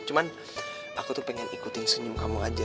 cuman aku tuh pengen ikutin senyum kamu aja